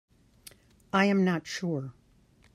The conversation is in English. I am not sure.